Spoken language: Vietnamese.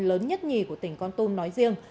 lớn nhất nhì của tỉnh con tôn nói riêng